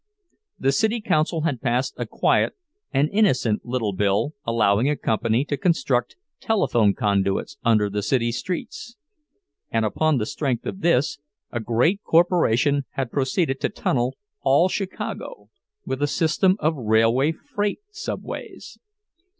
The City Council had passed a quiet and innocent little bill allowing a company to construct telephone conduits under the city streets; and upon the strength of this, a great corporation had proceeded to tunnel all Chicago with a system of railway freight subways.